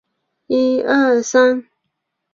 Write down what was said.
元朝时改置辽阳路。